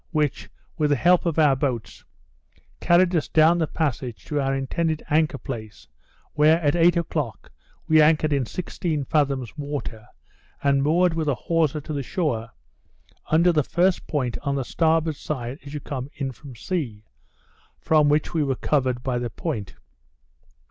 which, with the help of our boats, carried us down the passage to our intended anchor place, where, at eight o'clock, we anchored in sixteen fathoms water, and moored with a hawser to the shore, under the first point on the starboard side as you come in from sea, from which we were covered by the point.